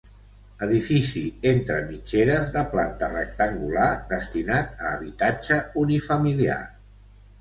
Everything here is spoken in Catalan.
Edifici entre mitgeres de planta rectangular, destinat a habitatge unifamiliar.